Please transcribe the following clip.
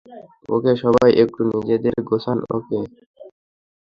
ওকে, সবাই একটু নিজেদের গোছান, ওকে?